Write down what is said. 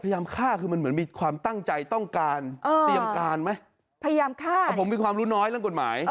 เอาพระที่อย่างมีความตั้งใจต้องการติดอย่างการไหม